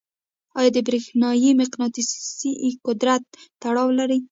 آیا د برېښنايي مقناطیس قدرت تړاو لري؟